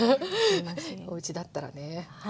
おうちだったらね。